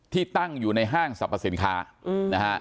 ตั้งอยู่ในห้างสรรพสินค้านะฮะ